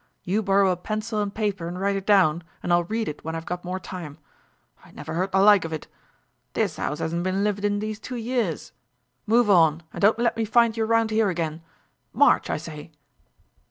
You borrow a pencil and paper and write it down and I'll read it when I've got more time; I never heard the like of it. This 'ouse hasn't been lived in these two years. Move on, and don't let me find you round 'ere again. March, I say!"